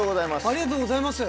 ありがとうございます。